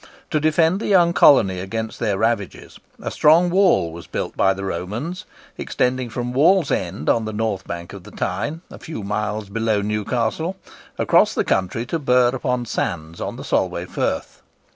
To defend the young colony against their ravages, a strong wall was built by the Romans, extending from Wallsend on the north bank of the Tyne, a few miles below Newcastle, across the country to Burgh upon Sands on the Solway Firth.